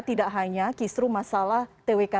tidak hanya kisru masalah twk